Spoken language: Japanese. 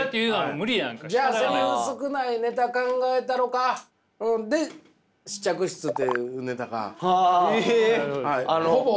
じゃあセリフ少ないネタ考えたろかで「試着室」というネタが。え！